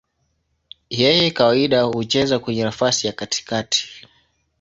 Yeye kawaida hucheza kwenye nafasi ya katikati.